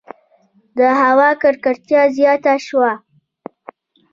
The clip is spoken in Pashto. • د هوا ککړتیا زیاته شوه.